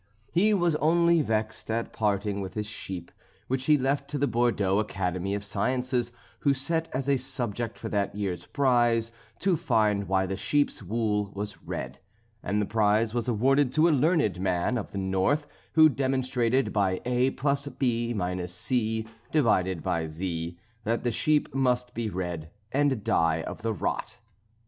He was only vexed at parting with his sheep, which he left to the Bordeaux Academy of Sciences, who set as a subject for that year's prize, "to find why this sheep's wool was red;" and the prize was awarded to a learned man of the North, who demonstrated by A plus B minus C divided by Z, that the sheep must be red, and die of the rot.